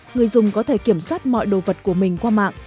người dùng có thể kiểm soát mọi đồ vật của mình qua mạng